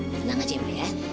tenang aja ya ma ya